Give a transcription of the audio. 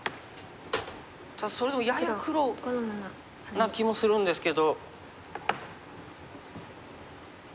ただそれでもやや黒な気もするんですけど。